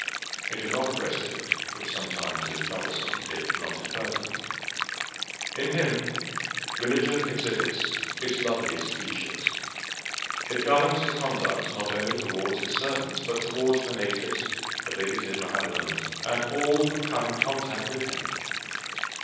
It is not aggressive, which sometimes is troublesome, if not impertinent. In him, religion exhibits its loveliest features; it governs his conduct not only towards his servants, but towards the natives, the bigoted Mohammedans, and all who come in contact with him.